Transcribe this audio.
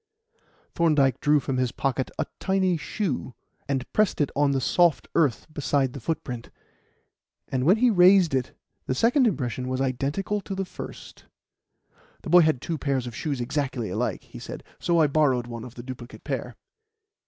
Thorndyke drew from his pocket a tiny shoe, and pressed it on the soft earth beside the footprint; and when he raised it the second impression was identical with the first. "The boy had two pairs of shoes exactly alike," he said, "so I borrowed one of the duplicate pair."